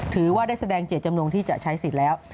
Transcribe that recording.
ถือว่าได้แสดงเจตจำนงที่จะใช้สิทธิ์แล้ว